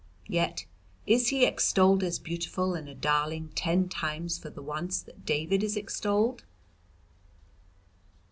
Yet is he extolled as beautiful and a darling ten times for the once that David is extolled.